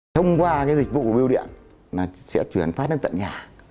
thông qua dịch vụ bưu điện sẽ chuyển phát đến tận nhà